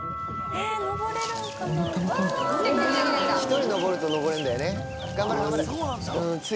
１人上ると上れるんだよね。